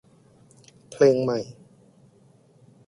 เพลงใหม่